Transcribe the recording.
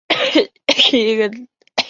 贝利茨是德国勃兰登堡州的一个市镇。